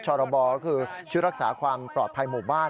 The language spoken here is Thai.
ชรบก็คือชุดรักษาความปลอดภัยหมู่บ้าน